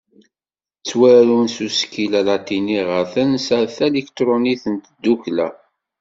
Ttwarun s usekkil alatini, ɣer tansa talikṭrunit n tdukkla.